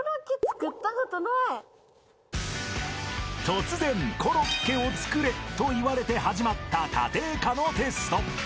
［突然コロッケを作れと言われて始まった家庭科のテスト］